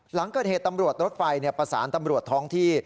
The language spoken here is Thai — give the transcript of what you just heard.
หลังเกิดเหตุตำรวจรถไฟประสานตำรวจท้องที่